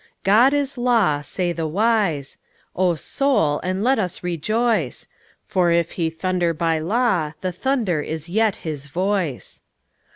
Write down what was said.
God is law, say the wise; O Soul, and let us rejoice, For if He thunder by law the thunder is yet His voice.